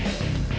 eh mbak be